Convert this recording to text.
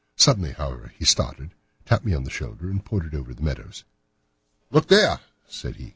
Suddenly, however, he started, tapped me on the shoulder, and pointed over the meadows. "Look there!" said he.